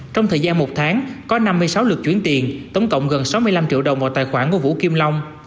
trong thời gian một tháng có năm mươi sáu lượt chuyển tiền tổng cộng gần sáu mươi năm triệu đồng vào tài khoản của vũ kim long